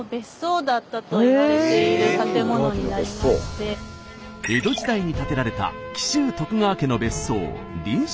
こちらが江戸時代に建てられた紀州徳川家の別荘